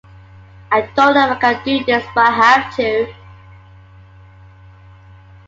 I don't know if I can do this, but I have to.